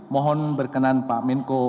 mohon berkenan pak minko